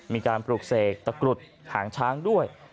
มีการปลูกเสกตะกรุดหางช้างด้วย